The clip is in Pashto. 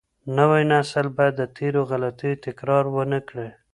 نوی نسل باید د تېرو غلطیو تکرار ونه کړي.